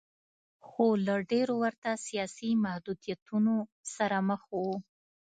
خو له ډېرو ورته سیاسي محدودیتونو سره مخ و.